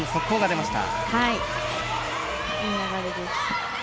いい流れです。